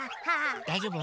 だいじょうぶ？